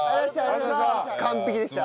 完璧でした。